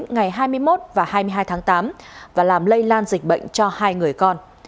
ngày hai mươi một và hai mươi hai tháng tám và làm lây lan dịch bệnh cho hai người con